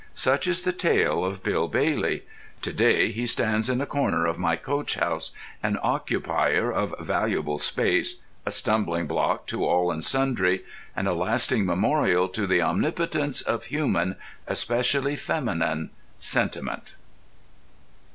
Such is the tale of Bill Bailey. To day he stands in a corner of my coach house, an occupier of valuable space, a stumbling block to all and sundry, and a lasting memorial to the omnipotence of human—especially feminine—sentiment.